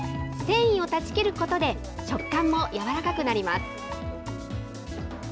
繊維を断ち切ることで、食感もやわらかくなります。